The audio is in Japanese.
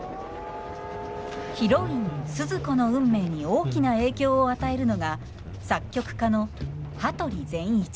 ヒロインスズ子の運命に大きな影響を与えるのが作曲家の羽鳥善一。